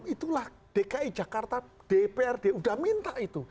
itulah dki jakarta dprd sudah minta itu